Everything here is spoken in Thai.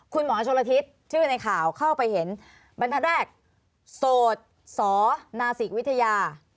คุณหมอตาชานาทิตย์คือในข่าวเข้าไปเห็นบันทับแรกโสดสรนะศิกวิทยา